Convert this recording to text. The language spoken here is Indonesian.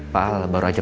pak al baru aja berjalan